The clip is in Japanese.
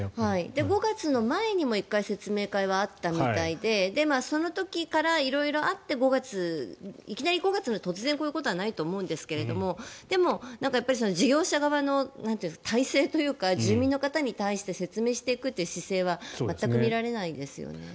５月の前にも１回、説明会はあったみたいでその時から色々あっていきなり５月に突然こういうことはないと思うんですがでも、事業者側の体制というか住民の方に対して説明していくという姿勢は全く見られないですよね。